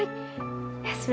hai man apa kabar